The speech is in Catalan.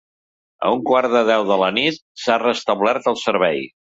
A un quart de deu de la nit s’ha restablert el servei.